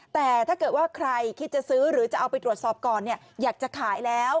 แต่ถ้าเกิดว่าใครคิดจะซื้อหรือจะเอาไปตรวจสอบก่อนอยากจะขายแล้ว